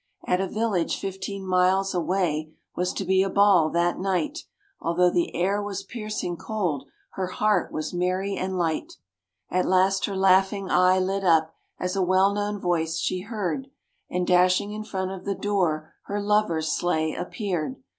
At a village fifteen miles away was to be a ball that night; Although the air was piercing cold, her heart was merry and light. At last her laughing eye lit up as a well known voice she heard, And dashing in front of the door her lover's sleigh appeared.